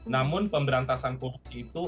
namun pemberantasan korupsi itu